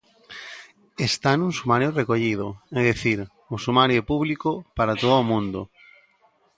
Está nun sumario recollido, é dicir, o sumario é público para todo o mundo.